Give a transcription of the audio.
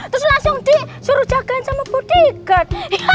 terus langsung di suruh jagain sama bodyguard